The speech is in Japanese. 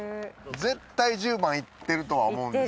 絶対１０番行ってるとは思うんです。